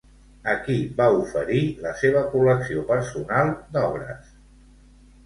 A qui va oferir la seva col·lecció personal d'obres?